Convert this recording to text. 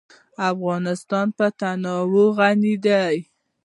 افغانستان په تنوع غني دی.